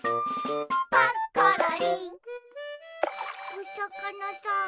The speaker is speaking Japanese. おさかなさん。